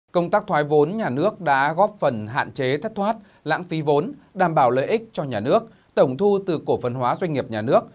công tác thoái vốn nhà nước đã góp phần hạn chế thất thoát lãng phí vốn đảm bảo lợi ích cho nhà nước tổng thu từ cổ phân hóa doanh nghiệp nhà nước